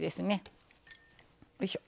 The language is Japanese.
よいしょ。